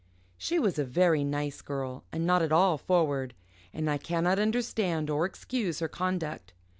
She was a very nice girl and not at all forward, and I cannot understand or excuse her conduct.